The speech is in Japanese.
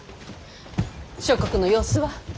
諸国の様子は？